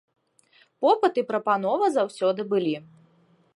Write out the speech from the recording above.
Попыт і прапанова заўсёды былі.